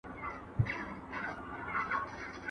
ښځې د ټولنې په پرمختګ کې مهم رول لري او بدلون ته لار هواروي.